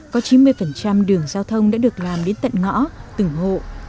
có chín mươi đường giao thông đã được làm đến tận ngõ từng hộ